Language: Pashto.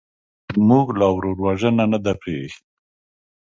موږ لا ورور وژنه نه ده پرېښې.